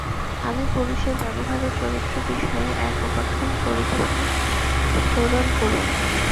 আমি পুরুষের ব্যবহার ও চরিত্র বিষয়ে এক উপাখ্যান কহিতেছি শ্ররণ করুন।